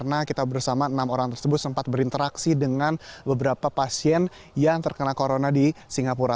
karena kita bersama enam orang tersebut sempat berinteraksi dengan beberapa pasien yang terkena corona di singapura